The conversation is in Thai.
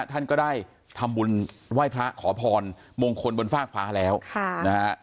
ท่านก็ได้ทำบุญไหว้พระขอพรมงคลบนฟากฟ้าแล้วนะฮะ